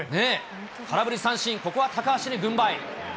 空振り三振、ここは高橋に軍配。